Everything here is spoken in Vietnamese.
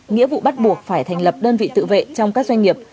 nghĩa vụ bắt buộc phải thành lập đơn vị tự vệ trong các doanh nghiệp